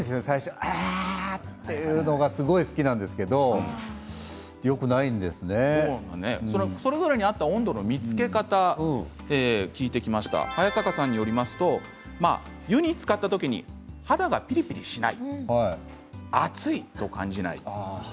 ああ！というのが好きなんですけどそれぞれに合った温度の見つけ方を聞いてきました早坂さんによりますと湯につかった時に肌がピリピリしない。